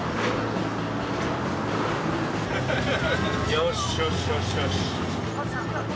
よしよしよし！